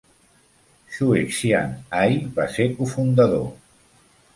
Xuexian Ai va ser cofundador.